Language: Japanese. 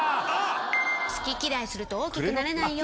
好き嫌いすると大きくなれないよ。